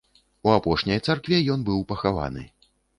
У апошняй царкве ён быў пахаваны.